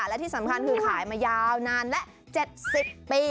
และที่สำคัญคือขายมายาวนานและ๗๐ปี